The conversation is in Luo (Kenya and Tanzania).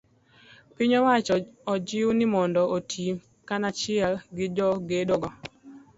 Piny owacho ojiw ni mondo oti kanachiel gi jogedo go.